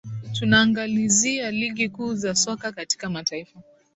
tunaangalizia ligi kuu za soka katika mataifa